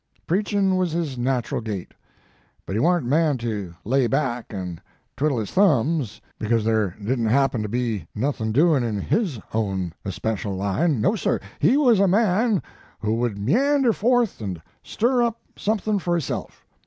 Preachin was his natural gait, but he warn t a man to lay back and twidle his thums because there didn t happen to be nothin doin 1 in his own especial line no, sir, he was a man who would meander forth and stir up something for hisself.